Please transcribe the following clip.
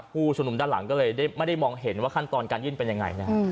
ผู้ชุมนุมด้านหลังก็เลยไม่ได้มองเห็นว่าขั้นตอนการยื่นเป็นยังไงนะฮะ